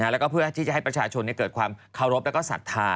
แล้วก็เพื่อที่จะให้ประชาชนเกิดความเคารพและก็ศรัทธา